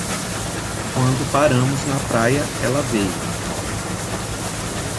Quando paramos na praia, ela veio.